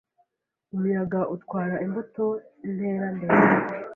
Umuyaga utwara imbuto intera ndende.